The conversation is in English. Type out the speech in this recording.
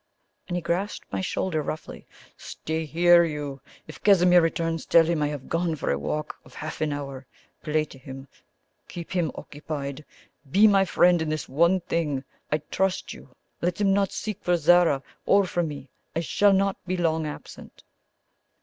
and he grasped my shoulder roughly. "Stay here, you! If Casimir returns, tell him I have gone for a walk of half an hour. Play to him keep him occupied be my friend in this one thing I trust you. Let him not seek for Zara, or for me. I shall not be long absent."